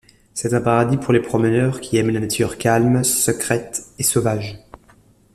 C'est un paradis pour les promeneurs qui aiment la nature calme, secrète et sauvage.